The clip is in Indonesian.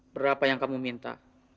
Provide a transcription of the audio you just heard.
berapa yang kamu minta